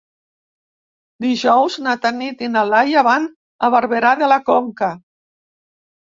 Dijous na Tanit i na Laia van a Barberà de la Conca.